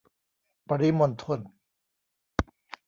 ปริมณฑล